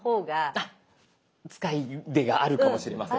あっ使いでがあるかもしれません。